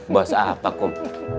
bahasa apa kum